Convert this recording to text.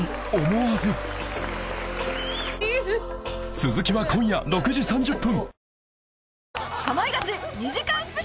続きは今夜６時３０分